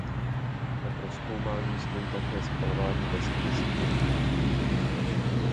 Za prozkoumání stojí také spalování bezemisního uhlí.